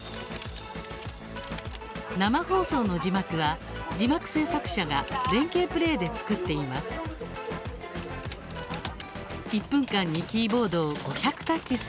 生放送の字幕は、字幕制作者が連携プレーで作っています。